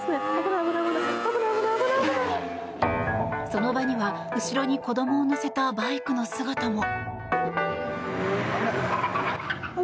その場には後ろに子供を乗せたバイクの姿も。